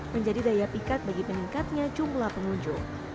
menjadi daya pikat bagi meningkatnya jumlah pengunjung